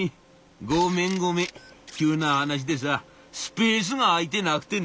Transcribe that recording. ごめんごめん急な話でさスペースが空いてなくてね。